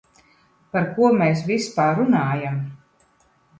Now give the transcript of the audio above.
Par ko mēs vispār runājam?